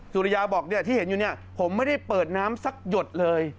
สุริยาบอกที่เห็นอยู่เนี่ยผมไม่ได้เปิดน้ำสักหยดเลย